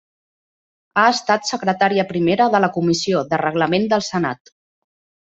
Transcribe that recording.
Ha estat secretària primera de la Comissió de Reglament del Senat.